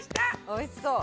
おいしそう。